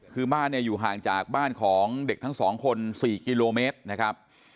คือบ้านเนี่ยอยู่ห่างจากบ้านของเด็กทั้งสองคน๔กิโลเมตรนะครับ